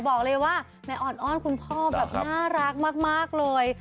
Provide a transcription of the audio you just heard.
บอกเลยว่าแม่อ่อนอ้อนคุณพ่อแบบน่ารักมากเลย